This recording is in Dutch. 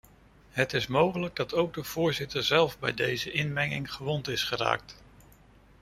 Het is mogelijk dat ook de voorzitter zelf bij deze inmenging gewond is geraakt.